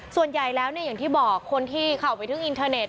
ส่วนใหญ่แล้วเนี่ยอย่างที่บอกคนที่เข้าไปถึงอินเทอร์เน็ต